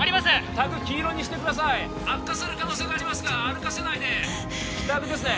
タグ黄色にしてください悪化する可能性がありますから歩かせないで黄タグですね